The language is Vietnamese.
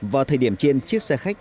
vào thời điểm trên chiếc xe khách